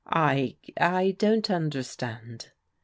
" I — I don't understand."